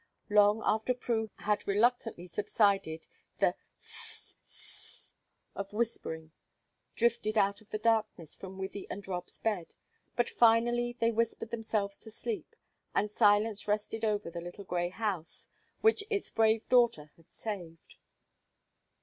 Long after Prue had reluctantly subsided, the "ss ss s" of whispering drifted out in the darkness from Wythie and Rob's bed, but finally they whispered themselves to sleep, and silence rested over the little grey house which its brave daughter had saved.